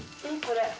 これ。